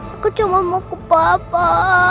aku cuma mau ke bapak